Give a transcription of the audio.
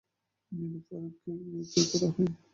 নিলুফারকে গ্রেফতার করা হয়।